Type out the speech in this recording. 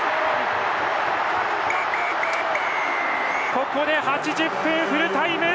ここで８０分、フルタイム！